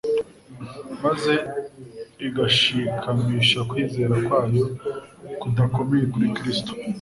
maze igashikamisha kwizera kwayo kudakomeye kuri Kristo.